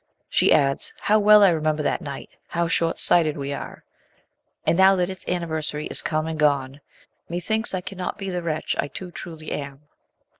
She adds :" How well I re member that night ! How short sighted we are ! And now that its anniversary is come and gone, methinks I cannot be the wretch I too truly am."